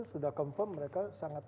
sudah confirm mereka sangat